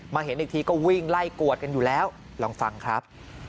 เห็นอีกทีก็วิ่งไล่กวดกันอยู่แล้วลองฟังครับ